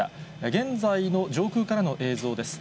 現在の上空からの映像です。